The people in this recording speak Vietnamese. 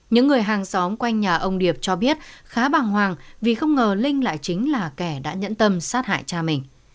những người hàng xóm quanh nhà ông điệp cho biết khá bằng hoàng vì không ngờ linh lại chính là kẻ đã nhẫn tâm sát hại cha mình